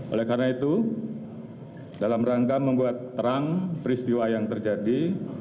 oleh karena itu dalam rangka membuat terang peristiwa yang terjadi